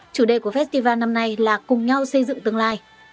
chủ đề của festival năm nay là cùng nhau xây dựng tương lai